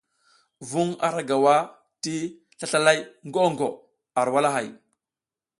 Vuŋ ara gawa ti slaslalay gwo gwo ar walahay.